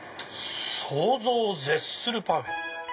想像を絶するパフェ。